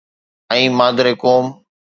۽ مادر قوم.